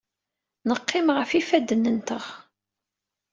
Neqqim ɣef yifadden-nteɣ.